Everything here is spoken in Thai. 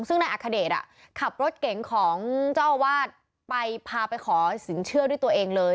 ซึ่งนายอัคเดชขับรถเก๋งของเจ้าอาวาสไปพาไปขอสินเชื่อด้วยตัวเองเลย